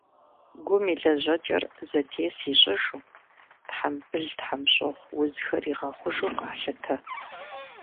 Гум и лэжьэкӏэр зэтес ищӏыжу, тхьэмбыл-тхьэмщӏыгъу узхэр игъэхъужу къалъытэ.